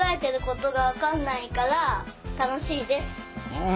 うん。